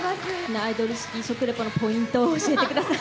アイドル式食レポのポイントを教えてください。